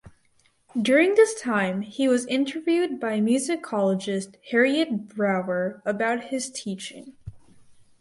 During this time he was interviewed by musicologist Harriette Brower about his teaching.